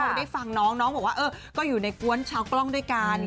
ได้ฟังน้องน้องบอกว่าเออก็อยู่ในกวนชาวกล้องด้วยกัน